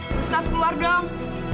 gustaf keluar dong